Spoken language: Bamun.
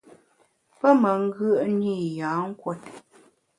Pe me ngùe’ne i yâ nkùot.